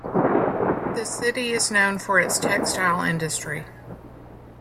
The city is known for its textile industry.